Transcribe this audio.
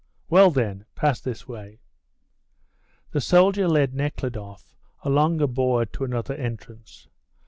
"Well, then, pass this way." The soldier led Nekhludoff along a board to another entrance.